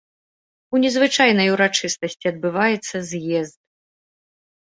У незвычайнай урачыстасці адбываецца з'езд.